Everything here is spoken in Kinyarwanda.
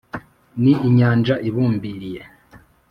Ni inyanja ibumbiriye,